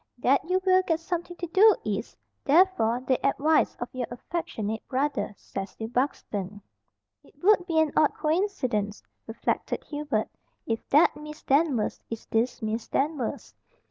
That you will get something to do is, therefore, the advice of your affectionate brother, Cecil Buxton." "It would be an odd coincidence," reflected Hubert, "if that Miss Danvers is this Miss Danvers."